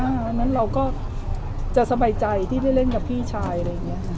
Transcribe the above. เพราะฉะนั้นเราก็จะสบายใจที่ได้เล่นกับพี่ชายอะไรอย่างนี้ค่ะ